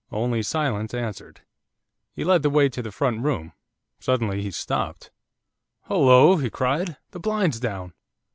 Only silence answered. He led the way to the front room. Suddenly he stopped. 'Hollo!' he cried. 'The blind's down!